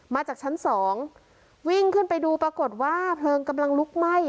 มาจากชั้นสองวิ่งขึ้นไปดูปรากฏว่าเพลิงกำลังลุกไหม้